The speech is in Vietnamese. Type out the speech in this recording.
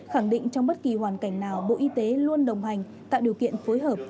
khẳng định trong bất kỳ hoàn cảnh nào bộ y tế luôn đồng hành tạo điều kiện phối hợp